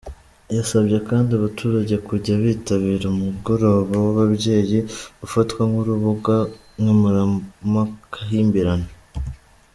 Yasabye kandi abaturage kujya bitabira umugoroba w’ababyeyi ufatwa nk’urubuga nkemuramakimbirane.